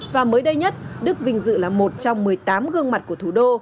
và mới đây nhất đức vinh dự là một trong một mươi tám gương mặt của thủ đô